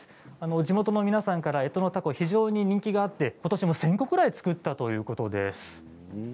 地元の皆さんからえとの凧非常に人気があってことしも１０００個ぐらい作ったということです。